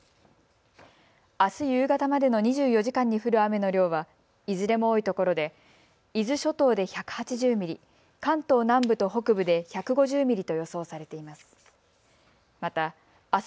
あす夕方までの２４時間に降る雨の量はいずれも多いところで伊豆諸島で１８０ミリ、関東南部と北部で１５０ミリと予想されています。